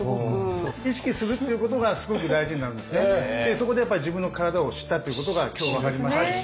そこで自分の体を知ったっていうことが今日分かりましたので。